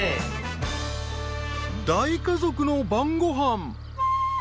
大家族の晩ご飯。